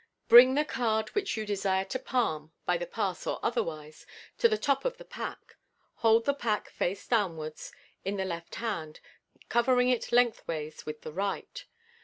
— Bring the card which you desire to palm (by the pass or otherwise) to the top of the pack. Hold the pack face downwards in the left hand, covering it lengthways with the right.